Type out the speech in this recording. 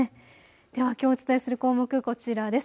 ではきょうお伝えする項目こちらです。